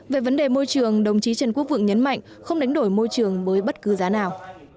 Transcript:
về vấn đề môi trường đồng chí trần quốc vượng nhấn mạnh không đánh đổi môi trường với bất cứ giá nào